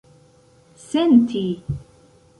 senti